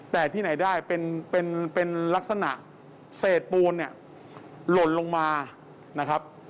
แต่ที่ไหนได้เป็นลักษณะเศษปูนหล่นลงมา